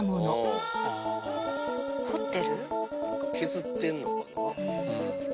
何か削ってんのかな？